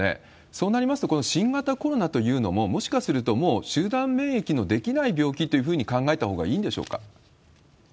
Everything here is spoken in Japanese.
そうなりますと、この新型コロナというのも、もしかすると、もう集団免疫の出来ない病気というふうに考えたほうがいいんでし